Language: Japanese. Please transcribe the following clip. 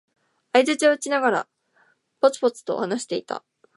相づちを打ちながら、ぽつぽつと話していた。